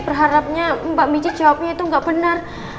berharapnya mbak michi jawabnya itu gak benar